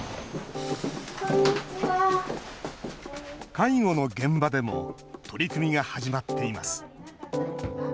介護の現場でも取り組みが始まっています。